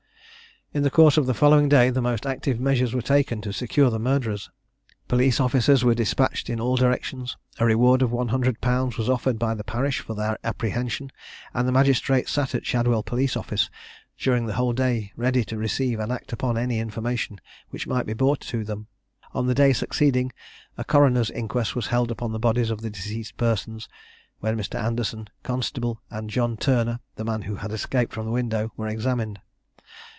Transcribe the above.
In the course of the following day the most active measures were taken to secure the murderers. Police officers were despatched in all directions; a reward of 100_l_ was offered by the parish for their apprehension, and the magistrates sat at Shadwell Police office during the whole day, ready to receive and act upon any information which might be brought to them. On the day succeeding, a coroner's inquest was held upon the bodies of the deceased persons, when Mr. Anderson, constable, and John Turner, the man who had escaped from the window, were examined.